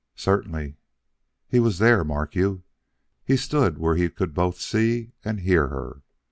"Certainly. He was there, mark you! He stood where he could both see and hear her.